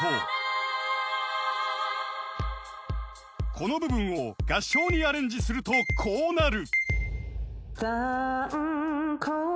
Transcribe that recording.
［この部分を合唱にアレンジするとこうなる］